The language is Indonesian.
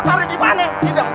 sampai jumpa lagi